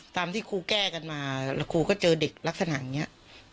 ตามที่ครูแก้กันมาแล้วครูก็เจอเด็กลักษณะอย่างนี้